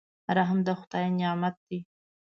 رحم د خدای نعمت دی.